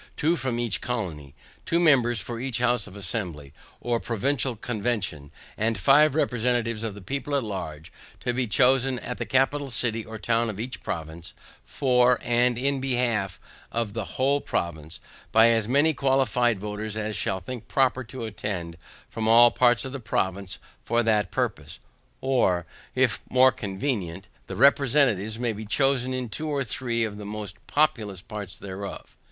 two for each colony. Two members for each House of Assembly, or Provincial Convention; and five representatives of the people at large, to be chosen in the capital city or town of each province, for, and in behalf of the whole province, by as many qualified voters as shall think proper to attend from all parts of the province for that purpose; or, if more convenient, the representatives may be chosen in two or three of the most populous parts thereof.